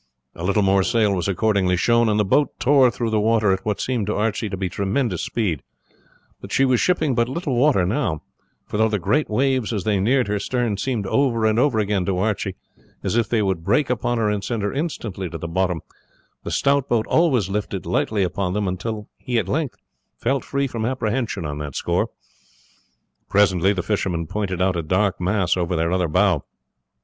A little more sail was accordingly shown, and the boat tore through the water at what seemed to Archie to be tremendous speed; but she was shipping but little water now, for though the great waves as they neared her stern seemed over and over again to Archie as if they would break upon her and send her instantly to the bottom, the stout boat always lifted lightly upon them until he at length felt free from apprehension on that score. Presently the fisherman pointed out a dark mass over their other bow.